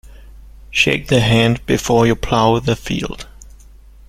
Shake the hand before you plough the field.